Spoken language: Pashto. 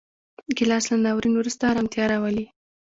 ګیلاس له ناورین وروسته ارامتیا راولي.